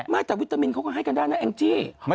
ไม่ไม่แต่วิตามินเขาก็ให้กันได้นะอังจริย์